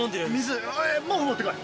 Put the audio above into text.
おい毛布持ってこい。